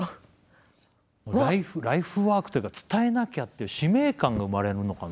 ライフワークというか伝えなきゃっていう使命感が生まれるのかな？